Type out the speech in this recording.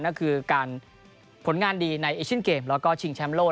ก็คือการผลงานดีในเอเชนเกมเพราะชิงแชมโล